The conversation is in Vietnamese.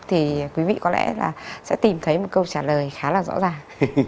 thì quý vị có lẽ là sẽ tìm thấy một câu trả lời khá là rõ ràng